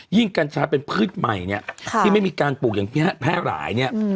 ยิ่งกัญชาเป็นพืชใหม่ที่ไม่มีการปลูกอย่างแพร่หลาย